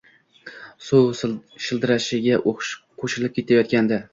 Suv shildirashiga qo‘shilib ketayotgandi.